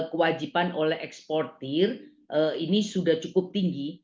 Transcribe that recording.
kewajiban oleh eksportir ini sudah cukup tinggi